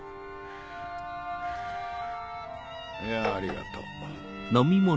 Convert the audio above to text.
やぁありがとう。